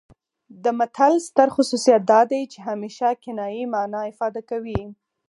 د متل ستر خصوصیت دا دی چې همیشه کنايي مانا افاده کوي